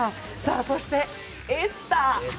そして「エスター」。